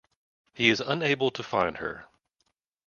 He is unable to find her.